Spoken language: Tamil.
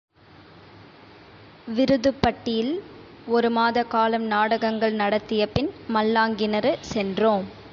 விருதுப்பட்டியில் ஒரு மாத காலம் நாடகங்கள் நடத்தியபின் மல்லாங்கிணறு சென்றோம்.